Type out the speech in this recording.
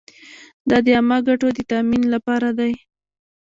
دا د عامه ګټو د تامین لپاره دی.